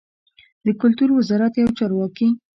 د کلتور وزارت یو چارواکي